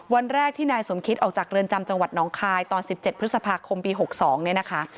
วันแรกที่นายสมคิตออกจากเรือนจำจังหวัดน้องคายตอน๑๗พฤษภาคมปี๖๒เนี่ยนะคะ